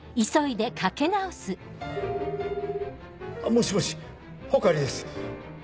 もしもし穂刈です。